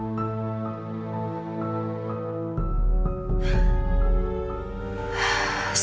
sama jalan ya sayang